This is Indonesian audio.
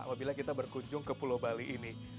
apabila kita berkunjung ke pulau bali ini